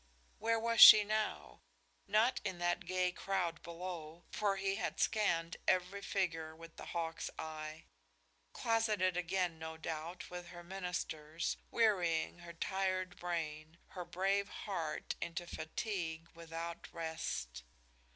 Where was she now? Not in that gay crowd below, for he had scanned every figure with the hawk's eye. Closeted again, no doubt, with her ministers, wearying her tired brain, her brave heart into fatigue without rest.